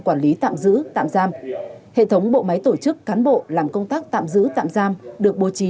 quản lý tạm giữ tạm giam hệ thống bộ máy tổ chức cán bộ làm công tác tạm giữ tạm giam được bố trí